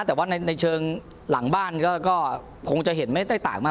แต่ว่าในเชิงหลังบ้านก็คงจะเห็นไม่ได้ต่างมาก